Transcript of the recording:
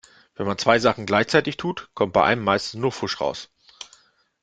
Wenn man zwei Sachen gleichzeitig tut, kommt bei beidem meistens nur Pfusch raus.